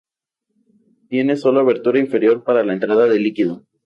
Tiene sólo abertura inferior para la entrada de líquido.